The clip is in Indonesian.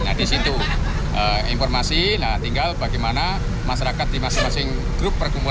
nah di situ informasi nah tinggal bagaimana masyarakat di masing masing grup perkumpulan